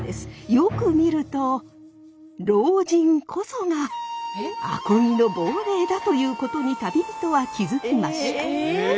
よく見ると老人こそが阿漕の亡霊だということに旅人は気付きました。